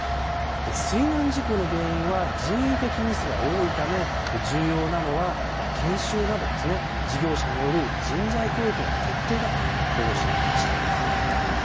水難事故の原因は人為的ミスが多いため重要なのは研修など事業者による人材教育の徹底だとこうおっしゃっていました。